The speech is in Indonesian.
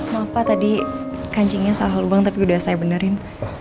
maaf pak tadi kancingnya salah lubang tapi udah saya benerin